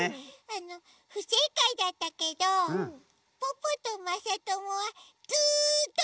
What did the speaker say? あのふせいかいだったけどポッポとまさともはずっとともだち。